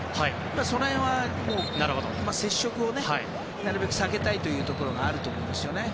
その辺は、接触をなるべく避けたいというところがあると思いますよね。